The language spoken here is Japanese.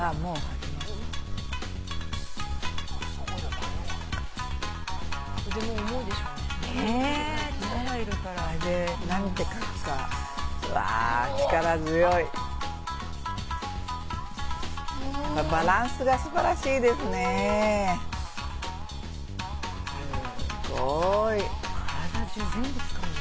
うわぁバランスがすばらしいですね。